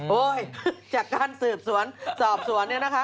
โอ๊ยจากการสืบสวนสอบสวนนี่นะคะ